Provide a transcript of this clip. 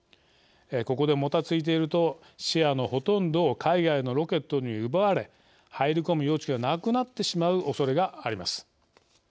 ここで、もたついているとシェアのほとんどを海外のロケットに奪われ入り込む余地がなくなってしまうおそれがあります。